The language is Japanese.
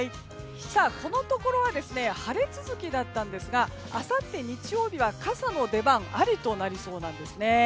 このところは晴れ続きだったんですがあさって日曜日は傘の出番ありとなりそうなんですね。